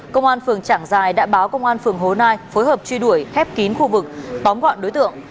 công an phường trảng giài đã báo công an phường hố nai phối hợp truy đuổi khép kín khu vực tóm gọn đối tượng